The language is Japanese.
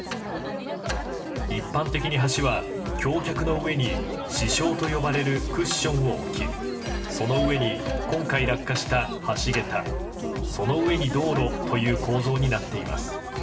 一般的に橋は、橋脚の上に支承と呼ばれるクッションを置きその上に今回落下した橋桁その上に道路という構造になっています。